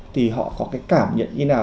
thì họ có cái cảm nhận như thế nào